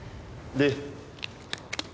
「で？」